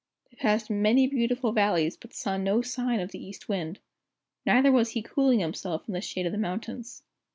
They passed many beautiful valleys, but saw no sign of the East Wind. Neither was he cooling himself in the shade of the mountains.